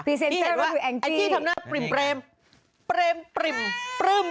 มีเห็นว่าไอจี้ทำหน้าปริ่ม